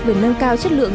về nâng cao chất lượng